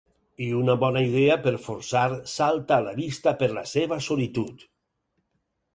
I una bona idea per força salta a la vista per la seva solitud.